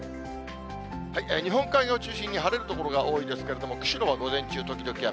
日本海側を中心に晴れる所が多いですけれども、釧路は午前中、時々雨。